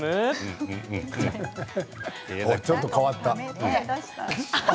ちょっと変わった。